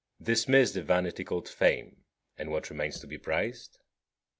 Dismiss the vanity called fame, and what remains to be prized?